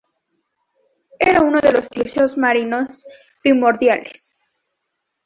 Era uno de los dioses marinos primordiales.